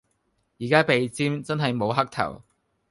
而家鼻尖真係無黑頭